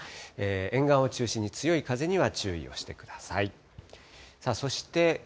沿岸を中心に強い風には注意をしてください。